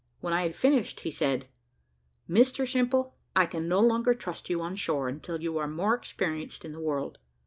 When I had finished, he said, "Mr Simple, I can no longer trust you on shore until you are more experienced in the world.